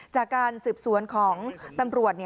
จากการสืบสวนของตำรวจ